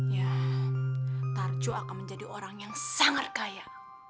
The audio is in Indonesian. ya tarjo akan menjadi orang yang sangat kaya